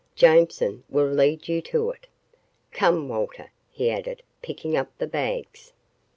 Jameson will lead you to it. Come, Walter," he added, picking up the bags.